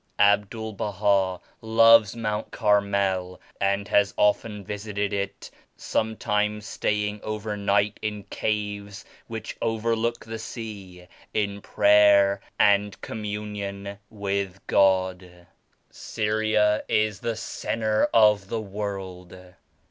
Abdul Baha loves Mount Carmel and has often visited it, some times staying over night in caves which overlook the sea, in prayer and communion with God. Syria is the centre of the world.